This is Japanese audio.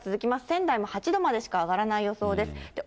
仙台も８度までしか上がらない予想ですね。